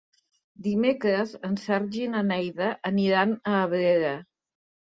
Dimecres en Sergi i na Neida aniran a Abrera.